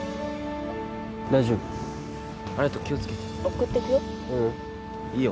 大丈夫ありがとう気をつけて送っていくよううんいいよ